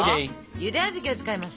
ゆで小豆を使います。